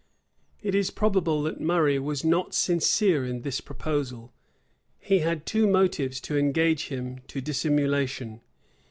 It is probable that Murray was not sincere in this proposal. He had two motives to engage him to dissimulation.